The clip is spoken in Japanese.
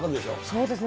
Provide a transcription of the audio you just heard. そうですね。